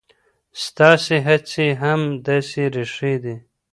ستاسې هڅې هم داسې ریښې دي.